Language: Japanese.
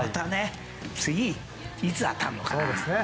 次、いつ当たるのかな。